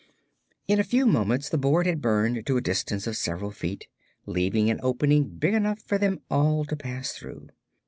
In a few moments the board had burned to a distance of several feet, leaving an opening big enough for them all to pass through.